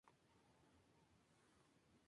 Su nombre era Hermafrodita.